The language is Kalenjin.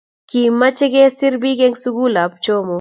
Kimache kesir pik en sukul ab jomo